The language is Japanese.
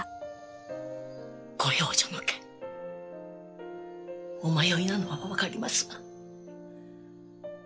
ご養女の件お迷いなのは分かりますが。